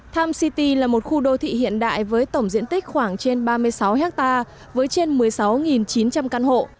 tham city là một khu đô thị hiện đại với tổng diện tích khoảng trên ba mươi sáu ha với trên một mươi sáu chín trăm linh căn hộ